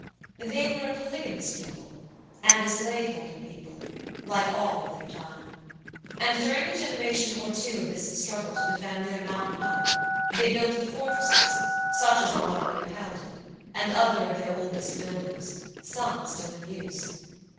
They were a polygamous people, and a slave holding people, like all of their time; and during the generation or two of this struggle to defend their mountain home they built the fortresses, such as the one we were held in, and other of their oldest buildings, some still in use.